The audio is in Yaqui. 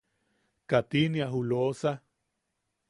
¿Katinia ju Loosa?